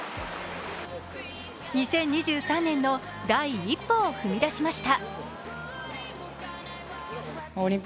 ２０２３年の一歩を踏み出しました。